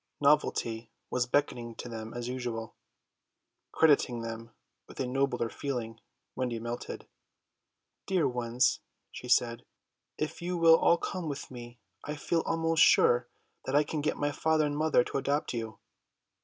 Novelty was beckoning to them as usual. Crediting them with a nobler feeling Wendy melted. "Dear ones," she said, "if you will all come with me I feel almost sure I can get my father and mother to adopt you."